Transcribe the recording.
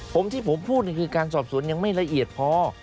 ผมที่ผมพูดนี่คือการสอบสวนยังไม่ละเอียดพอ